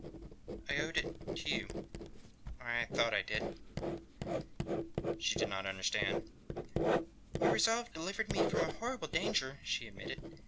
"I owed it to you or thought I did," he said. She did not understand. "Your resolve delivered me from a horrible danger," she admitted.